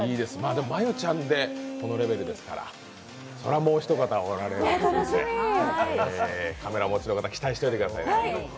でも真悠ちゃんでこのレベルですからもうひと方おられるのでカメラお持ちの方、期待しておいてくださいね。